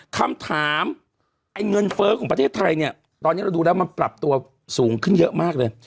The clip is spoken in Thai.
คำถามไอ้เงินเฟ้อของประเทศไทยเนี่ยตอนนี้เราดูแล้วมันปรับตัวสูงขึ้นเยอะมากเลย